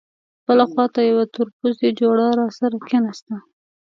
بلې خوا ته یوه تورپوستې جوړه راسره کېناسته.